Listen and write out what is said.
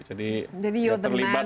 jadi udah terlibat